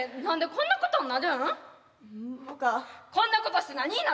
こんなことして何になるん？